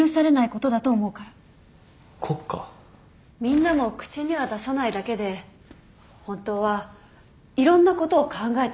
みんなも口には出さないだけで本当はいろんなことを考えてると思う。